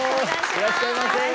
よろしくお願いします。